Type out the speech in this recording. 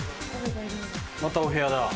・またお部屋だ。